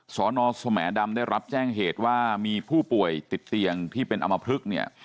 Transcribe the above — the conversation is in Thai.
สอนอสแหมดำได้รับแจ้งเหตุว่ามีผู้ป่วยติดเตียงที่เป็นอมพลึกเนี่ย